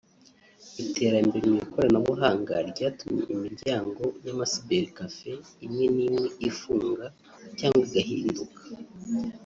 Iterambere mu ikoranabuhanga ryatumye imyiryango y’ama Cyber Cafés imwe n’imwe ifunga cyangwa igahinduka